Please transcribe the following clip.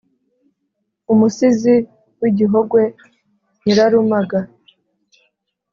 umusizi w’i gihogwe nyirarumaga